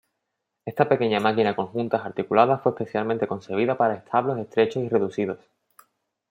Esta pequeña máquina con juntas articuladas fue especialmente concebida para establos estrechos y reducidos.